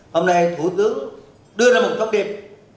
hôm nay thủ tướng đưa ra một công điệp